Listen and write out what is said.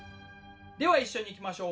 では一緒にいきましょう。